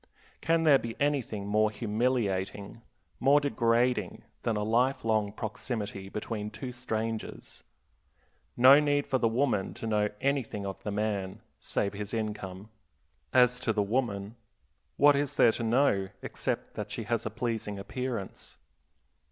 Can there be anything more humiliating, more degrading than a life long proximity between two strangers? No need for the woman to know anything of the man, save his income. As to the knowledge of the woman what is there to know except that she has a pleasing appearance?